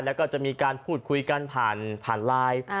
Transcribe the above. แล้วก็จะมีการพูดคุยกันผ่านไลน์